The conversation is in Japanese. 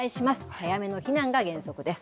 早めの避難が原則です。